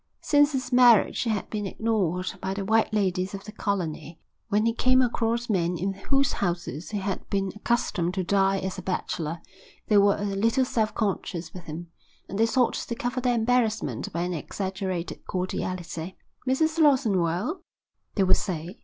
Since his marriage he had been ignored by the white ladies of the colony. When he came across men in whose houses he had been accustomed to dine as a bachelor, they were a little self conscious with him; and they sought to cover their embarrassment by an exaggerated cordiality. "Mrs Lawson well?" they would say.